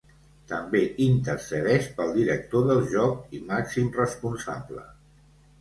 També intercedeix pel director del joc, i màxim responsable.